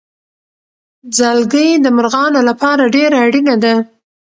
ځالګۍ د مرغانو لپاره ډېره اړینه ده.